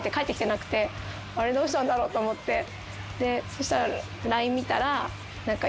あれどうしたんだろう？と思ってでそしたらＬＩＮＥ見たら。